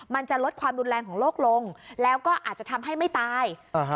มันจะลดความรุนแรงของโลกลงแล้วก็อาจจะทำให้ไม่ตาย